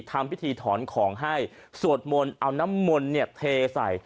ทำพิธีถอนของให้สวดมนต์เอาน้ำมนต์เนี่ยเทใส่